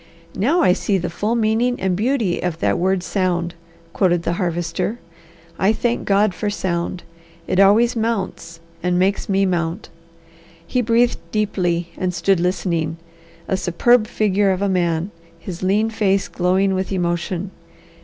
"'Now I see the full meaning and beauty of that word sound!'" quoted the Harvester. "'I thank God for sound. It always mounts and makes me mount!'" He breathed deeply and stood listening, a superb figure of a man, his lean face glowing with emotion.